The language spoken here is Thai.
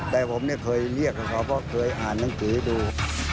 แต่ผมเนี่ยเคยเรียกกับเขาเพราะเคยอ่านหนังสือดู